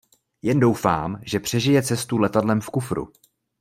Jen doufám, že přežije cestu letadlem v kufru.